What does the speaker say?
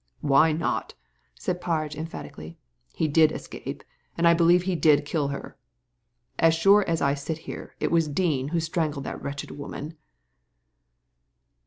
"Why not ?" said Parge, emphatically. " He did escape^ and I believe he did kill her. As sure as I sit here, it was Dean who strangled that wretched woman."